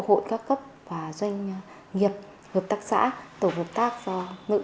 hội các cấp và doanh nghiệp hợp tác xã tổ hợp tác do nữ